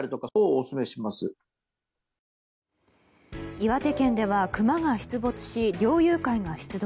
岩手県では、クマが出没し猟友会が出動。